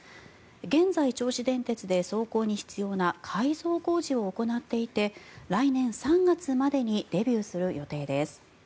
現在、銚子電鉄で走行に必要な改造工事を行っていて来年３月までにデビューする予定です。